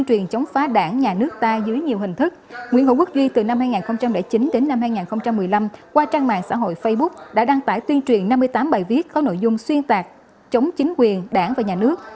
nguyễn hữu quốc duy từ năm hai nghìn chín đến năm hai nghìn một mươi năm qua trang mạng xã hội facebook đã đăng tải tuyên truyền năm mươi tám bài viết có nội dung xuyên tạc chống chính quyền đảng và nhà nước